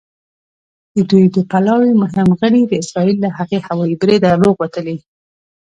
د دوی د پلاوي مهم غړي د اسرائیل له هغه هوايي بریده روغ وتلي.